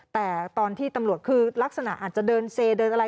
แต่ตอนที่ตำรวจคือลักษณะอาจจะเดินเซเดินอะไร